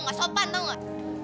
nggak sopan tau gak